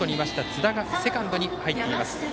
津田がセカンドに入っています。